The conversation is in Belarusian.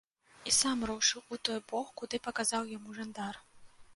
І сам рушыў у той бок, куды паказаў яму жандар.